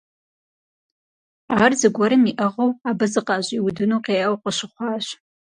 Ар зыгуэрым иӀыгъыу абы зыкъыӀэщӏиудыну къеӀэу къащыхъуащ.